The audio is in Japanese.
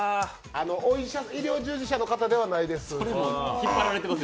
医療従事者の方ではないです。